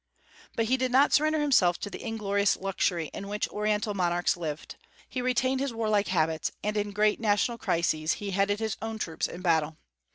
But he did not surrender himself to the inglorious luxury in which Oriental monarchs lived. He retained his warlike habits, and in great national crises he headed his own troops in battle.